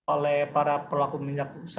oleh para pelaku minyak goreng ini